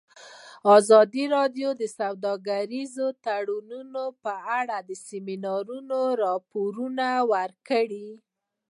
ازادي راډیو د سوداګریز تړونونه په اړه د سیمینارونو راپورونه ورکړي.